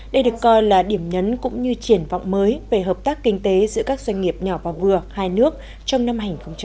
đây được coi là điểm nhấn cũng như triển vọng mới về hợp tác kinh tế giữa các doanh nghiệp nhỏ và vừa hai nước trong năm hai nghìn hai mươi